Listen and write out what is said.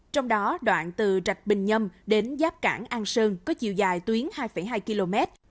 trong đó đoạn từ trạch bình nhâm đến giáp cảng an sơn có chiều dài tuyến hai hai km